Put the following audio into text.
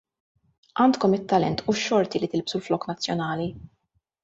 Għandkom it-talent u x-xorti li tilbsu l-flokk nazzjonali.